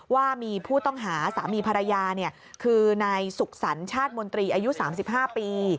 ว่ามีผู้ต้องหาสามีภรรยาเนี่ยคือในศุกษัณฐ์ชาติมนตรีอายุ๓๕ปี